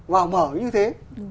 và mở như thế